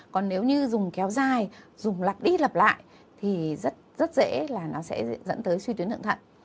còn nếu như dùng kéo dài dùng lặt đi lặp lại thì rất dễ là nó sẽ dẫn tới suy tuyến hựng thận